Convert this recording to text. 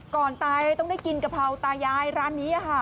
ก่อนตายต้องได้กินกะเพราตายายร้านนี้ค่ะ